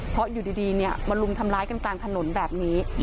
เพราะอยู่ดีมาลุมทำร้ายกันกลางถนนแบบนี้